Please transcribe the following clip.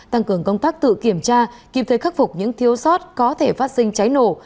tăng cường công tác tự kiểm tra kịp thời khắc phục những thiếu sót có thể phát sinh cháy nổ